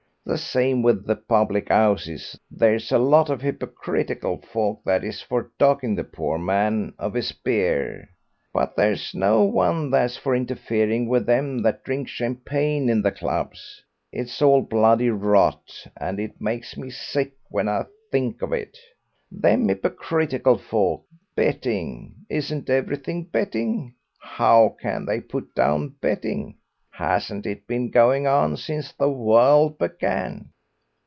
The same with the public 'ouses there's a lot of hypocritical folk that is for docking the poor man of his beer, but there's no one that's for interfering with them that drink champagne in the clubs. It's all bloody rot, and it makes me sick when I think of it. Them hypocritical folk. Betting! Isn't everything betting? How can they put down betting? Hasn't it been going on since the world began?